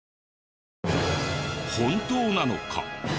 本当なのか？